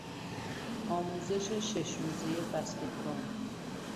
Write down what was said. آموزش شش روزهی بسکتبال